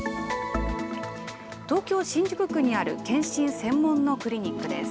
東京・新宿区にある検診専門のクリニックです。